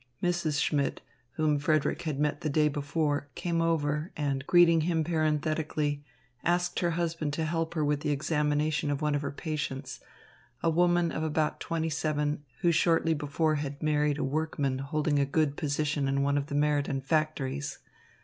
Mrs. Schmidt, whom Frederick had met the day before, came over and, greeting him parenthetically, asked her husband to help her with the examination of one of her patients, a woman of about twenty seven, who shortly before had married a workman holding a good position in one of the Meriden factories.